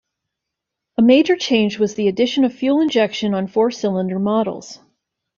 A major change was the addition of fuel injection on four-cylinder models.